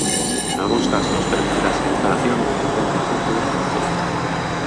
Nalgúns casos permitirase a instalación do cen por cento dos postos.